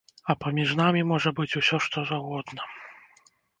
А паміж намі можа быць усё што заўгодна.